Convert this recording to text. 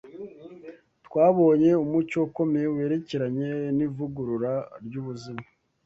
Twabonye umucyo ukomeye werekeranye n’ivugurura ry’ubuzima